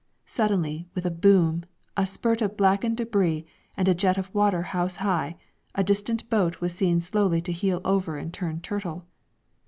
Suddenly, with a boom, a spurt of blackened debris, and a jet of water house high, a distant boat was seen slowly to heel over and turn turtle.